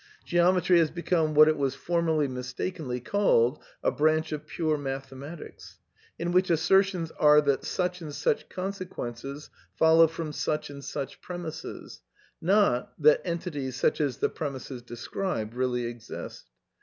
... Geometry has become (what it was formerly mistakenly called) a branch of pure mathematics, in which assertions are that such and such conse quences follow from such and such premisses, not that entities such as the premisses describe really exist.